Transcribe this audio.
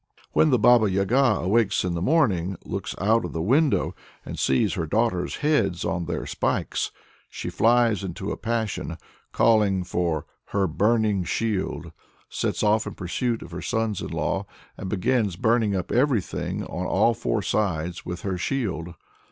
When the Baba Yaga awakes in the morning, looks out of the window, and sees her daughters' heads on their spikes, she flies into a passion, calls for "her burning shield," sets off in pursuit of her sons in law, and "begins burning up everything on all four sides with her shield."